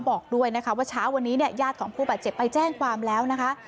บอกด้วยนะคะว่าเช้าวันนี้เนี่ยญาติของผู้บาดเจ็บไปแจ้งความแล้วนะคะ